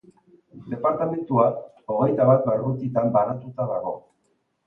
Departamendua hogeita bat barrutitan banatuta dago.